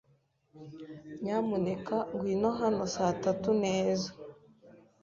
Nyamuneka ngwino hano saa tatu neza.